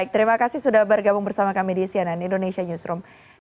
terima kasih sudah bergabung bersama kami di cnn indonesia newsroom